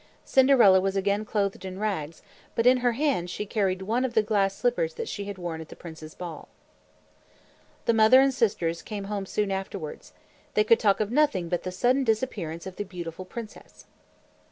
Cinderella was again clothed in rags, but in her hand she carried one of the glass slippers that she had worn at the prince's ball. The mother and sisters came home soon afterwards. They could talk of nothing but the sudden disappearance of the beautiful princess.